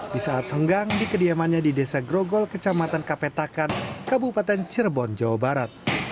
di saat senggang di kediamannya di desa grogol kecamatan kapetakan kabupaten cirebon jawa barat